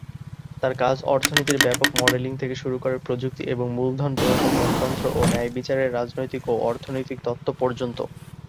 তার কাজ অর্থনীতির ব্যাপক মডেলিং থেকে শুরু করে প্রযুক্তি এবং মূলধন প্রবাহ গণতন্ত্র ও ন্যায়বিচারের রাজনৈতিক ও অর্থনৈতিক তত্ত্ব পর্যন্ত।